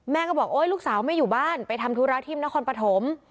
แม่ก็บอกโอ๊ยลูกสาวไม่อยู่บ้านไปทำธุระที่นครปฐม